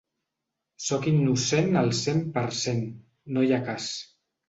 Sóc innocent al cent per cent, no hi ha cas